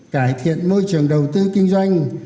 cải thiện môi trường đầu tư kinh doanh